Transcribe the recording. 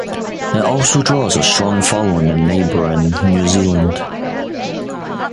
It also draws a strong following in neighbouring New Zealand.